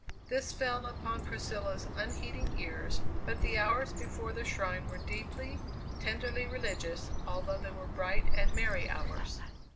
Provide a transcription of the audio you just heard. This fell upon Priscilla's unheeding ears, but the hours before the shrine were deeply, tenderly religious, although they were bright and merry hours.